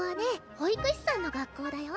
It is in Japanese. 保育士さんの学校だよ